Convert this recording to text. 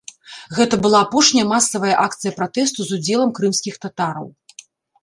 Гэта была апошняя масавая акцыя пратэсту з удзелам крымскіх татараў.